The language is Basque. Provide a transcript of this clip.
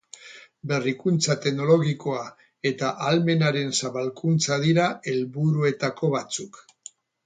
Berrikuntza teknologikoa eta ahalmenaren zabalkuntza dira helburuetako batzuk.